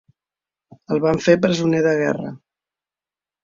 El van fer presoner de guerra.